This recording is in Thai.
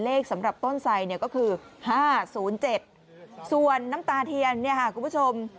สำหรับต้นไสเนี่ยก็คือ๕๐๗ส่วนน้ำตาเทียนเนี่ยค่ะคุณผู้ชม